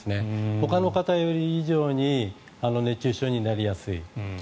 ほかの方以上に熱中症になりやすい。